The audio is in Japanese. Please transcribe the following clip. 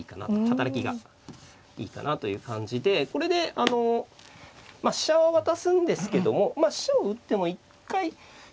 働きがいいかなという感じでこれであの飛車は渡すんですけども飛車を打っても一回。